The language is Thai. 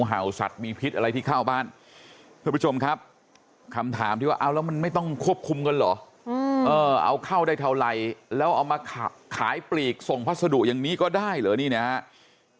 แล้วเอามาขายปลีกส่งพัสดุอย่างนี้ก็ได้เหรอนี่นะครับ